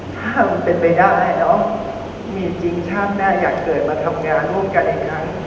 ถ้ามันเป็นไปได้เนอะมีจริงชาติหน้าอยากเกิดมาทำงานร่วมกันอีกครั้ง